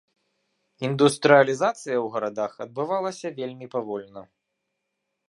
Індустрыялізацыя ў гарадах адбывалася вельмі павольна.